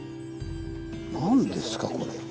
何ですかこれ。